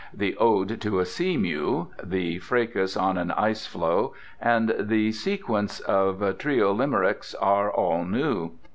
"The Ode to a Seamew," the "Fracas on an Ice Floe," and the sequence of triolimericks are all new.